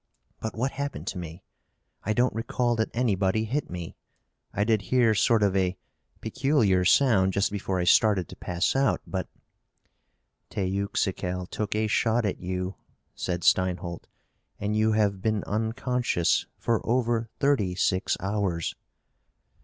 But what happened to me? I don't recall that anybody hit me. I did hear sort of a peculiar sound just before I started to pass out, but " "Teuxical took a shot at you," said Steinholt, "and you have been unconscious for over thirty six hours."